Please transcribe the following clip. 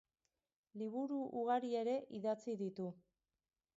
Liburu ugari ere idatzi ditu.